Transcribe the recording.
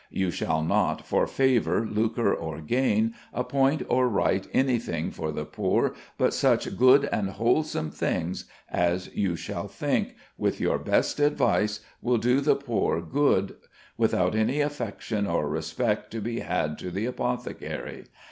You shall not for favour, lucre, or gain, appoint or write anything for the poor, but such good and wholesome things as you shall think, with your best advice, will do the poor good, without any affection or respect to be had to the apothecary.